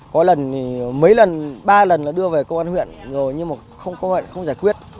có lần mấy lần ba lần đưa về công an huyện nhưng mà không giải quyết